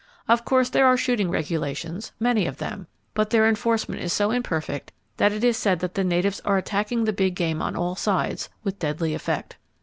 Of course there are shooting regulations, many of them; but their enforcement is so imperfect that it is said that the natives are attacking the big game on all sides, with deadly effect.